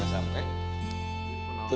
eh apaan ya